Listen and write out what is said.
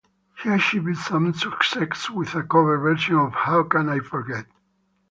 He achieved some success with a cover version of How Can I Forget?